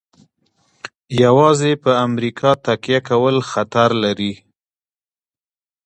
یوازې په امریکا تکیه کول خطر لري.